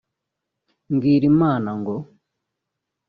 Mbwira Imana ngo